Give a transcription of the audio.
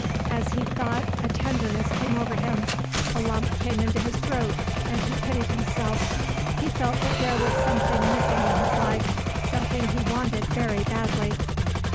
As he thought a tenderness came over him; a lump came into his throat and he pitied himself; he felt that there was something missing in his life, something he wanted very badly.